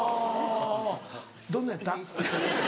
どんなやった？